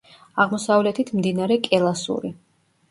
აღმოსავლეთით მდინარე კელასური.